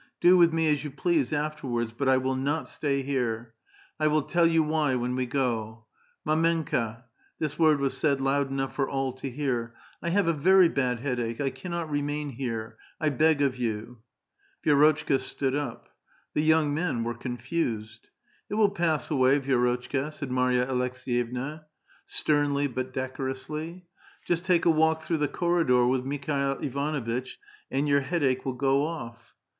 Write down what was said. Do with me as you please afterwards, but I will not stay here. 1 will tell you why when we go. Md/menka" — this word was said loud enough for all to hear — "I have a vei y bad headache. I cannot remain here. I beg of you !" Vi^rotchka stood up. The vounff men were confused. " It will pass away, Vi^rotchka," said Marya Aleks^yevna, sternly but decorousl} ." Just take a walk through the corridor with Mikhail Ivanuitch, and your headache will go off."